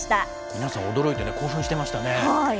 皆さん驚いてね、興奮されてましたね。